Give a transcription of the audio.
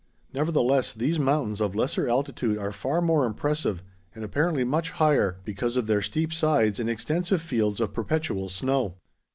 Nevertheless, these mountains of lesser altitude are far more impressive and apparently much higher because of their steep sides and extensive fields of perpetual snow.